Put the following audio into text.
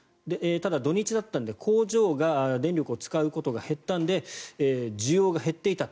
ただ土日だったので工場が電力を使うことが減ったので需要が減っていた。